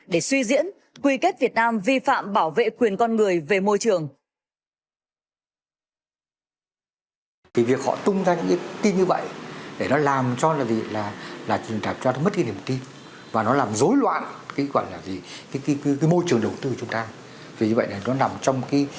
để suy diễn quy kết việt nam vi phạm bảo vệ quyền con người về môi trường